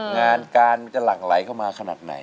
งานการมันจะหลั่งไหลเข้ามาขนาดไหน